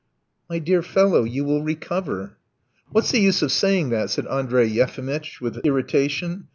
"My dear fellow, you will recover." "What's the use of saying that?" said Andrey Yefimitch, with irritation.